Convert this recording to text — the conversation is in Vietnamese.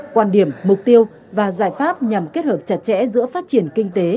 quan điểm mục tiêu và giải pháp nhằm kết hợp chặt chẽ giữa phát triển kinh tế